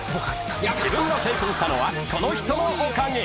［自分が成功したのはこの人のおかげ］